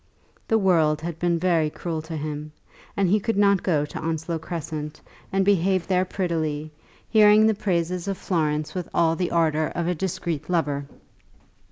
The world had been very cruel to him, and he could not go to Onslow Crescent and behave there prettily, hearing the praises of Florence with all the ardour of a discreet lover.